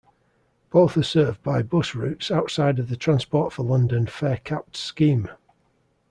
Both are served by bus routes outside of the Transport for London fare-capped scheme.